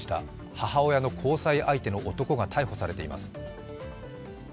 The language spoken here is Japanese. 母親の交際相手の男が逮捕されています。